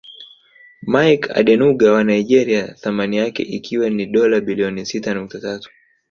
Mike Adenuga wa Nigeria thamani yake ikiwa ni dola bilioni sita nukta tatu